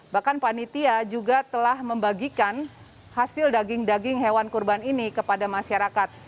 bahkan panitia juga telah membagikan hasil daging daging hewan kurban ini kepada masyarakat